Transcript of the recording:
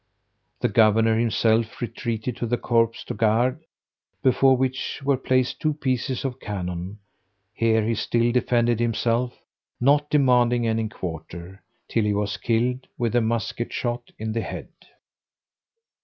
The governor himself retreated to the corps du gard, before which were placed two pieces of cannon: here he still defended himself, not demanding any quarter, till he was killed with a musket shot in the head.